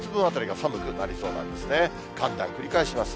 寒暖繰り返します。